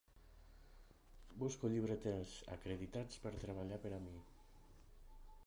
Busco llibreters acreditats per treballar per a mi.